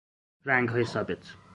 رنگهای ثابت